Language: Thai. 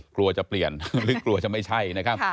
กลัวจะเปลี่ยนหรือกลัวจะไม่ใช่นะครับ